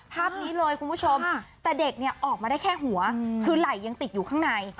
ภาพนี้เลยคุณผู้ชมแต่เด็กเนี่ยออกมาได้แค่หัวคือไหล่ยังติดอยู่ข้างใน